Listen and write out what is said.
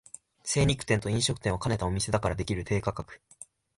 精肉店と飲食店を兼ねたお店だからできる低価格